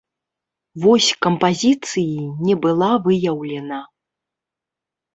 Вось кампазіцыі не была выяўлена.